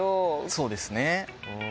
そうですね。